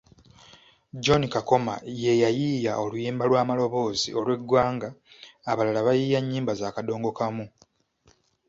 John Kakoma yeyayiiya oluyimba lwa maloboozi olw’Eggwanga abalala bayiiya nnyimba za kadongo kamu.